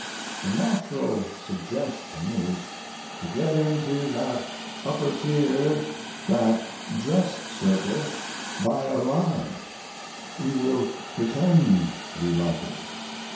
The natural suggestion is, to get into that upper tier, that dress circle, by a lie we will pretend we like it.